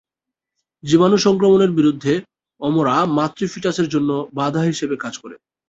জীবাণু সংক্রমণের বিরুদ্ধে অমরা মাতৃ-ফিটাসের জন্য বাধা হিসাবে কাজ করে।